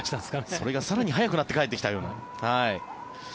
それが更に速くなって返ってきたような。